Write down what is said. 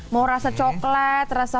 mau rasa coklat rasa